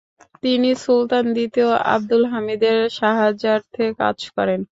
তিনি সুলতান দ্বিতীয় আবদুল হামিদের সাহায্যার্থে কাজ করেন।